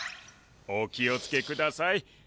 お気をつけください。